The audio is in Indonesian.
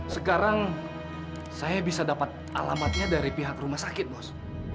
sekarang saya bisa dapat alamatnya dari pihak rumah sakit bos